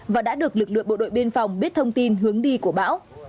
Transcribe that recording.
và đã được lực lượng bộ đội biên phòng biết thông tin hướng đi của bão